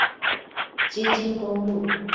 基金公路